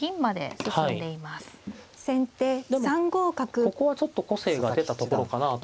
でもここはちょっと個性が出たところかなと。